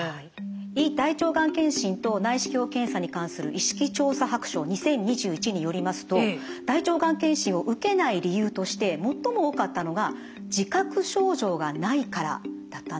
「胃・大腸がん検診と内視鏡検査に関する意識調査白書２０２１」によりますと大腸がん検診を受けない理由として最も多かったのが「自覚症状がないから」だったんです。